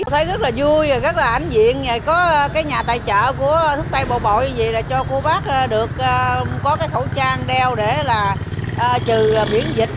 thấy rất là vui rất là ảnh diện có cái nhà tài trợ của thúc tây bộ bội như vậy là cho cô bác được có cái khẩu trang đeo để là trừ miễn dịch